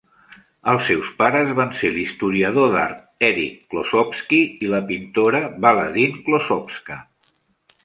Els seus pares van ser l'historiador d'art Erich Klossowski i la pintora Baladine Klossowska.